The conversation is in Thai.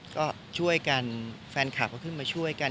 ก็ช่วยกันแฟนคลับก็ขึ้นมาช่วยกัน